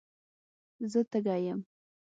زه تږي یم.